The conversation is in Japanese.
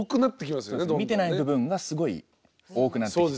見てない部分がすごい多くなってきて。